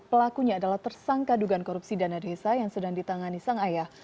pelakunya adalah tersangka dugaan korupsi dana desa yang sedang ditangani sang ayah